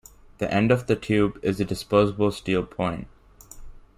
The end of the tube is a disposable steel point.